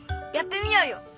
やってみようよ！